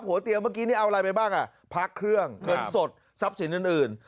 หัวเตียงเมื่อกี้นี่เอาอะไรไปบ้างอ่ะพระเครื่องเงินสดทรัพย์สินอื่น